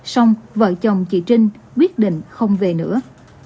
xong vợ chồng chị trinh quyết định không về nữa